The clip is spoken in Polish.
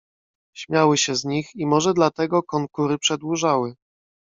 "Śmiały się z nich, i może dlatego konkury przedłużały."